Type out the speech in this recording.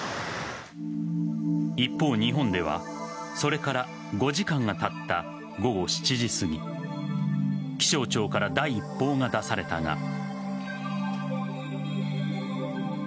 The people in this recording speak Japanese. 一方、日本ではそれから５時間がたった午後７時すぎ気象庁から第一報が出されたが。